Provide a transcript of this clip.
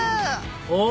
お！